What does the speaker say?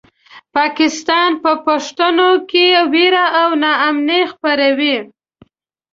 پاکستان په پښتنو کې وېره او ناامني خپروي.